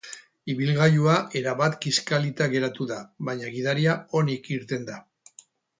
Ibilgailua erabat kiskalita geratu da, baina gidaria onik irten da.